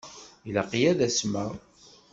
Ilaq-iyi ad asmeɣ?